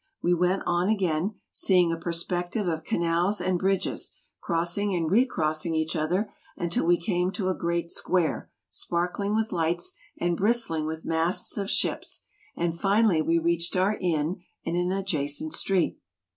We went on again, seeing a perspective of canals and bridges crossing and recrossing each other, until we came to a great square, sparkling with lights, and bristling with masts of ships, and finally we reached our inn in an adjacent street.